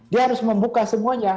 dia harus membuka semuanya